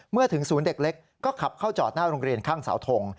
เมื่อถึงศูนย์เด็กเล็กก็ขับเข้าจอดหน้าโรงเรียนข้างเสาทง